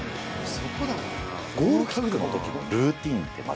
ゴールキックのときのルーテ